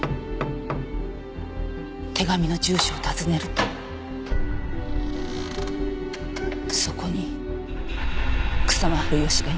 手紙の住所を訪ねるとそこに草間治義がいました。